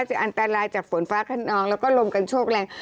จะอันตรายจากฝนฟ้าขนองแล้วก็ลมกันโชคแรง